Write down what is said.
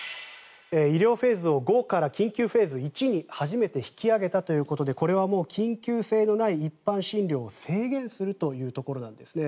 医療フェーズを５から緊急フェーズ１に初めて引き上げたということで緊急性のない一般診療を制限するというところです。